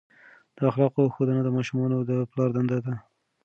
د اخلاقو ښودنه د ماشومانو د پلار دنده ده.